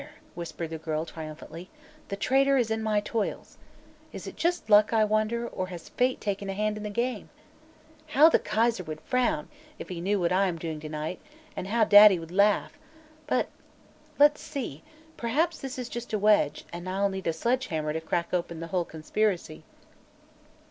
whispered the girl, triumphantly; "the traitor is in my toils. Is it just luck, I wonder, or has fate taken a hand in the game? How the Kaiser would frown, if he knew what I am doing to night; and how Daddy would laugh! But let's see! perhaps this is just a wedge, and I'll need a sledge hammer to crack open the whole conspiracy."